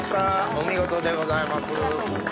お見事でございます。